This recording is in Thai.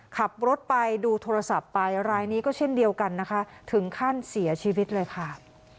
ขับรถไปดูโทรศัพท์ไปรายนี้ก็เช่นเดียวกันนะคะถึงขั้นเสียชีวิตเลยค่ะ